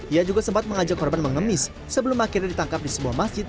ia juga sempat mengajak korban mengemis sebelum akhirnya ditangkap di sebuah masjid